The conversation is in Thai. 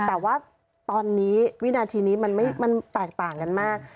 แต่ว่าตอนนี้วินาทีนี้มันแตกต่างกันมาก